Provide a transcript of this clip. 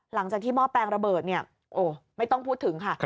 หลังจากที่หม้อแปลงระเบิดไม่ต้องพูดถึงค่ะ